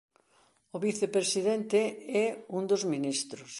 O vicepresidente é un dos ministros.